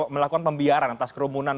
melakukan pembiaran atas kerumunan